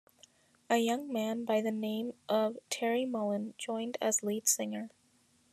A young man by the name of Terry Mullin joined as lead singer.